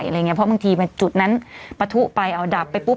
เพราะบางทีจุดนั้นปะทุไปเอาดับไปปุ๊บ